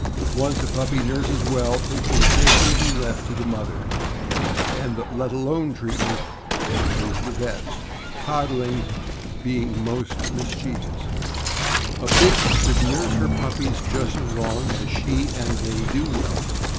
Once a puppy nurses well, it can sal'ely be left to the mother; and the '' let alone treatment '' is the best, coddling being most mis chievous. A bitch should nurse her puppies just as long as she and they do well.